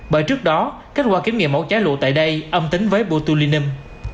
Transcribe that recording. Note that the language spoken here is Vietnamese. bởi trước đó kết quả kiểm nghiệm mẫu chả lụa tại đây âm tính với botulinum